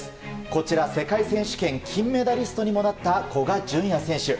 こちら、世界選手権金メダリストにもなった古賀淳也選手。